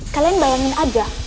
kalian bayangin aja